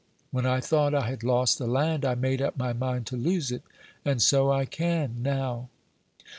When I thought I had lost the land, I made up my mind to lose it, and so I can now."